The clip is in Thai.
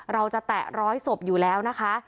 แตะร้อยศพอยู่แล้วนะคะ